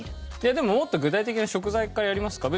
でももっと具体的な食材からやりますか？